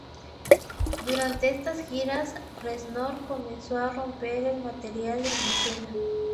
Durante estas giras, Reznor comenzó a romper el material en escena.